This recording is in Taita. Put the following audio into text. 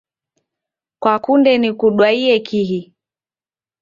Kwakunde nikudwaiye kihi?